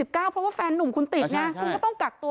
เพราะว่าแฟนนุ่มคุณติดอย่างงี้มันก็ต้องกักตัว